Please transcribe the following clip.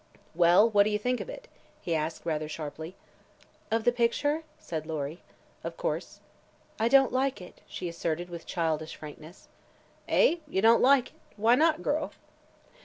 "Well, what do you think of it?" he asked rather sharply. "Of the picture?" said Lory. "Of course." "I don't like it," she asserted, with childish frankness. "Eh? You don't like it? Why not, girl?"